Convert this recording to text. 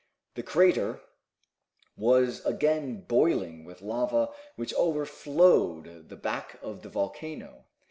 The crater was again boiling with lava which overflowed the back of the volcano.